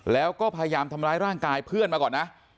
แล้วก็พยายามทำร้ายร่างกายเพื่อนมาก่อนนะ